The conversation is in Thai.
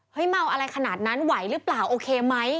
เฮ้ยเมาอะไรขนาดนั้นไหวหรือเปล่าโอเคมั๊ย